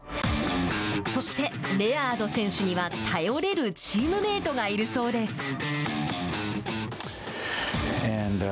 そして、レアード選手には頼れるチームメートがいるそうです。